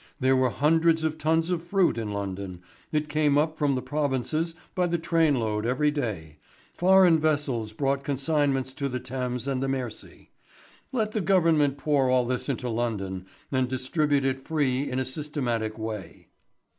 There were hundred of tons of fruit in London, it came up from the provinces by the trainload every day, foreign vessels brought consignments to the Thames and the Mersey. Let the Government pour all this into London and distribute it free in a systematic way.